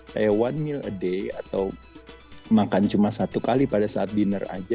kayak one meal a day atau makan cuma satu kali pada saat dinner aja